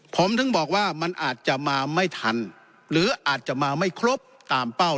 ผมถึงบอกว่ามันอาจจะมาไม่ทันหรืออาจจะมาไม่ครบตามเป้า